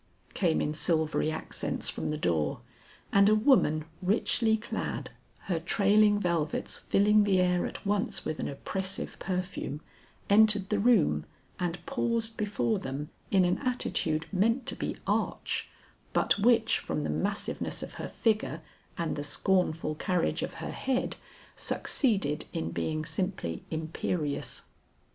came in silvery accents from the door, and a woman richly clad, her trailing velvets filling the air at once with an oppressive perfume, entered the room and paused before them in an attitude meant to be arch, but which from the massiveness of her figure and the scornful carriage of her head, succeeded in being simply imperious.